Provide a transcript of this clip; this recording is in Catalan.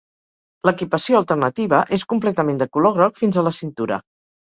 L'equipació alternativa és completament de color groc fins a la cintura.